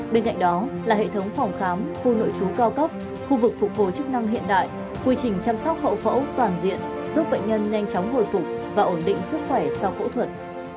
bên cạnh đó là hệ thống phòng khám khu nội trú cao cấp khu vực phục hồi chức năng hiện đại quy trình chăm sóc hậu phẫu toàn diện giúp bệnh nhân nhanh chóng hồi phục và ổn định sức khỏe sau phẫu thuật